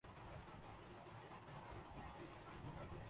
قابل فہم نہیں کہ کوئی لکھنے والا دیانت داری کے